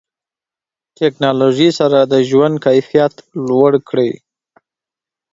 ټکنالوژي سره د ژوند کیفیت لوړ کړئ.